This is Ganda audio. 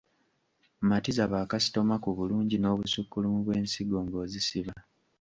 Matiza bakasitoma ku bulungi n’obusukkulumu bw’ensigo ng’ozisiba.